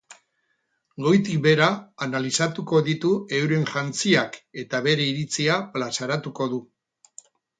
Goitik behera analizatuko ditu euren jantziak eta bere iritzia plazaratuko du.